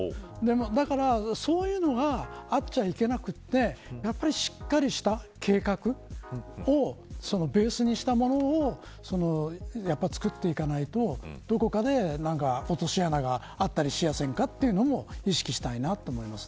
だからそういうのがあってはいけなくてしっかりした計画をベースにしたものをつくっていかないとどこかで落とし穴があったりしやすいというのも意識したいと思います。